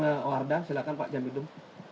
dan warda silakan pak jambi dum